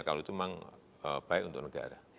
kalau itu memang baik untuk negara